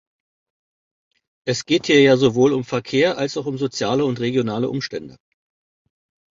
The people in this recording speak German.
Es geht hier ja sowohl um Verkehr als auch um soziale und regionale Umstände.